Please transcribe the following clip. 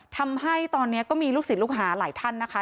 ทำให้ตอนนี้ก็มีลูกศิษย์ลูกหาหลายท่านนะคะ